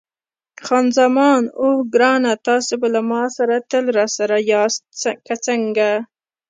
خان زمان: اوه ګرانه، تاسي به له ما سره تل راسره یاست، که څنګه؟